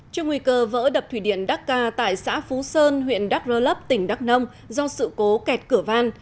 trong nguy cơ vỡ đập thủy điện đắc ca tại xã phú sơn huyện đắk rơ lấp tỉnh đắk nông do sự cố kẹt cửa van